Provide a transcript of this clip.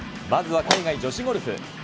まずは海外女子ゴルフ。